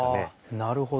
なるほど。